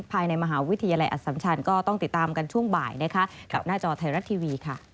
ภายในมหาวิทยาลัยอสัมชันก็ต้องติดตามกันช่วงบ่ายนะคะกับหน้าจอไทยรัฐทีวีค่ะ